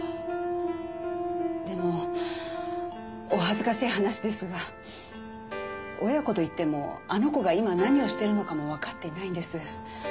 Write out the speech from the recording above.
でもお恥ずかしい話ですが親子と言ってもあの子が今何をしてるのかもわかっていないんです。